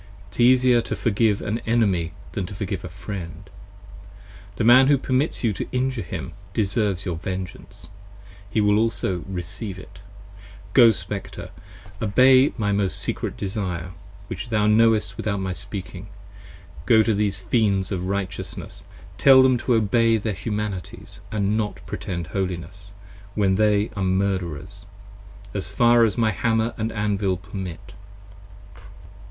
p. 91 IT is easier to forgive an Enemy than to forgive a Friend! The man who permits you to injure him, deserves your vengeance: He also will recieve it: go Spectre! obey my most secret desire, Which thou knowest without my speaking ; Go to these Fiends of Righteousness, 5 Tell them to obey their Humanities, & not pretend Holiness, When they are murderers: as far as my Hammer & Anvil permit.